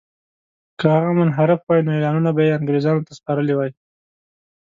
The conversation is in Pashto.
که هغه منحرف وای نو اعلانونه به یې انګرېزانو ته سپارلي وای.